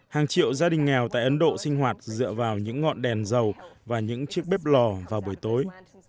hàng triệu gia đình nghèo tại ấn độ sinh hoạt dựa vào những ngọn đèn dầu và những chiếc bếp lò vào buổi tối